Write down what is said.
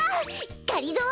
がりぞー！